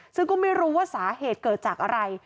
ซึ่งก็ไม่รู้ว่าสาเหตุเกิดจากอะไร